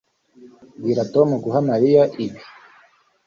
Bwira Tom guha Mariya ibi